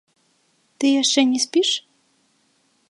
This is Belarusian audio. Ты яшчэ не спіш?